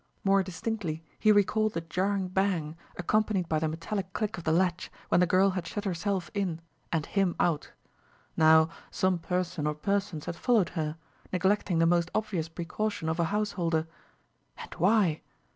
More distinctly he recalled the jarring bang, accompanied by the metallic click of the latch, when the girl had shut herself in and him out. Now, some person or persons had followed her, neglecting the most obvious precaution of a householder. And why?